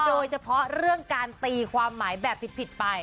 โดยเฉพาะเรื่องการตีความหมายแบบผิดไป